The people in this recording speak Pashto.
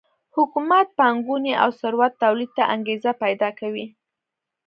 حکومت پانګونې او ثروت تولید ته انګېزه پیدا کوي.